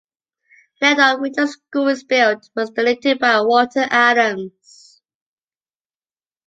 The land on which the school is built was donated by Walter Adams.